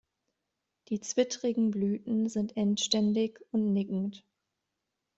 Die zwittrigen Blüten sind endständig und nickend.